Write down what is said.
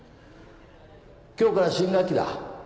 今日から新学期だ。